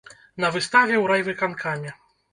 На выставе ў райвыканкаме.